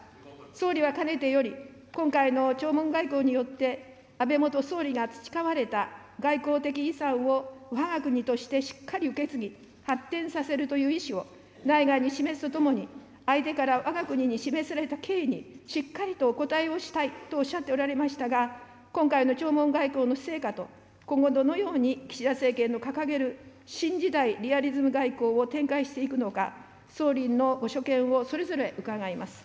総理はかねてより、今回の弔問外交によって、安倍元総理が培われた外交的遺産をわが国としてしっかり受け継ぎ、発展させるという意思を内外に示すとともに、相手からわが国に示された敬意に、しっかりとお応えをしたいとおっしゃっておられましたが、今回の弔問外交の成果と、今後どのように岸田政権の掲げる新時代リアリズム外交を展開していくのか、総理のご所見をそれぞれ伺います。